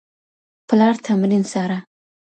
پلار تمرین څاره.